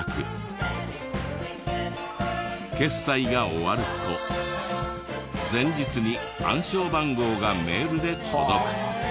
決済が終わると前日に暗証番号がメールで届く。